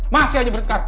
masih aja berdekat